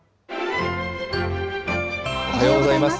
おはようございます。